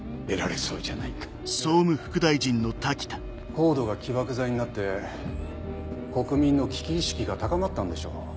ＣＯＤＥが起爆剤になって国民の危機意識が高まったんでしょう。